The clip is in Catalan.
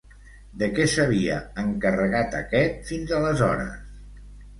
De què s'havia encarregat aquest fins aleshores?